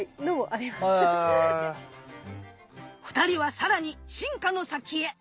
２人は更に進化の先へ。